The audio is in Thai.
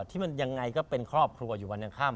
ที่มันยังไงก็เป็นครอบครัวอยู่บรรยากรรม